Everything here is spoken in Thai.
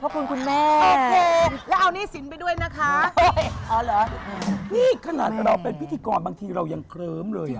ใครเอาเอกสารเสนยกบรดดกให้หน่อยนะ